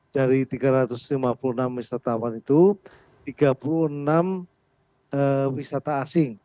dari tiga ratus lima puluh enam wisatawan itu tiga puluh enam wisata asing